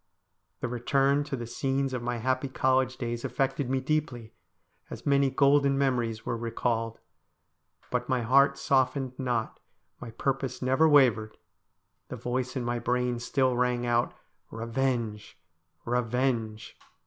The return to the scenes of my happy college days affected me deeply, as many golden memories were re called. But my heart softened not, my purpose never wavered ; the voice in my brain still rang out ' Bevenge ! revenge